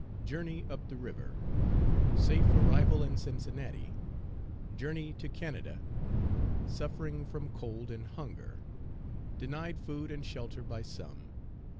Journey up the river. Safe arrival in Cincinnati. Journey to Canada. Suffering from cold and hunger. Denied food and shelter by some.